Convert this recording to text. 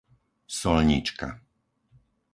Soľnička